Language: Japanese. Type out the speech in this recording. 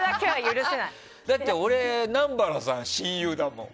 だって俺、南原さん親友だもん。